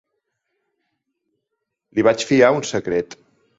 Li vaig fiar un secret.